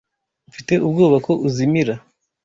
Mfite ubwoba ko uzimira.